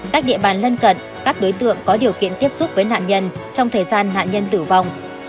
các địa bàn lân cận các đối tượng có điều kiện tiếp xúc với nạn nhân trong thời gian nạn nhân tử vong